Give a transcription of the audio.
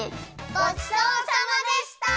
ごちそうさまでした！